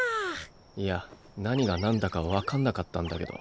いや何がなんだか分かんなかったんだけど。